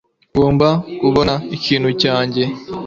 Ngomba kubona ikintu cyanjye